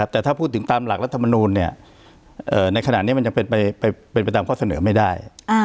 แต่ถ้าพูดถึงตามหลักรัฐมนูลในขณะนี้มันยังเป็นไปตามข้อเสนอไม่ได้